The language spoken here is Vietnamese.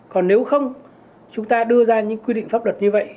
còn nếu không chúng ta đưa ra những quy định pháp luật như vậy